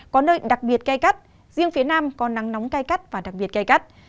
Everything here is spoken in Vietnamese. có nơi đặc biệt cay cắt riêng phía nam có nắng nóng cay cắt và đặc biệt cay cắt